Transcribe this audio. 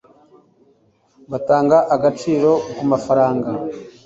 batanga agaciro kumafaranga